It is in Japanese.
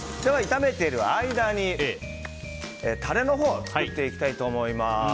炒めている間にタレのほうを作っていきたいと思います。